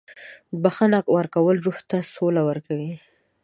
• بخښنه ورکول روح ته سوله ورکوي.